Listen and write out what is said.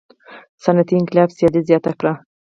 صنعتي انقلاب سیالي زیاته کړه.